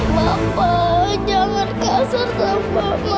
bapak jangan kasar sama mama